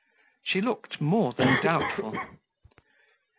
She looked more than doubtful.